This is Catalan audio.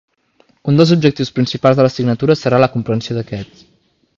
Un dels objectius principals de l'assignatura serà la comprensió d'aquests.